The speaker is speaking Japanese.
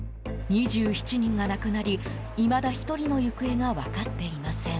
２７人が亡くなり、いまだ１人の行方が分かっていません。